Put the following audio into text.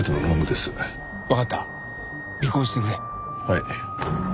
はい。